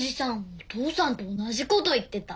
お父さんと同じこと言ってた。